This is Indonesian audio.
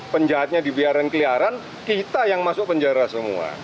penjahatnya dibiarin keliaran kita yang masuk penjara semua